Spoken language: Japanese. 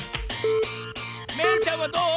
めいちゃんはどう？